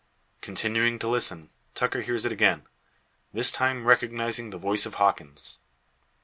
Continuing to listen, Tucker hears it again, this time recognising the voice of Hawkins.